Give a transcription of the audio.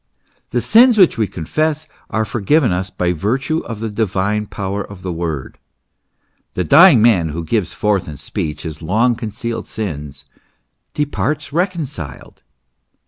The sins which we confess are forgiven us by virtue of the divine power of the word. The dying man who gives forth in speech his long concealed sins, departs recon ciled.